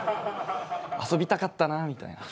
遊びたかったなみたいな。